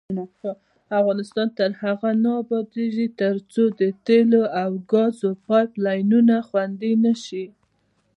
افغانستان تر هغو نه ابادیږي، ترڅو د تیلو او ګازو پایپ لاینونه خوندي نشي.